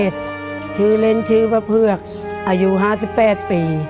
ป๊าชื่อหลียววิ้งเกจชื่อเล่นชื่อพัคเภิอกอายุ๕๘ปี